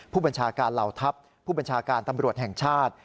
ผู้บัญชาการเหล่าทัพผู้บัญชาการตำรวจแห่งชาติ